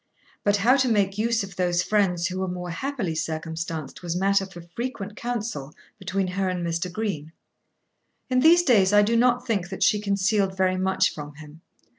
But how to make use of those friends who were more happily circumstanced was matter for frequent counsel between her and Mr. Green. In these days I do not think that she concealed very much from him.